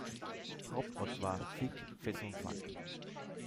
Hauptort war Vic-Fezensac.